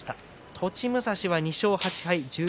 栃武蔵２勝８敗。